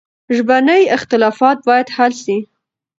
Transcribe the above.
ژبني اختلافات باید حل سي.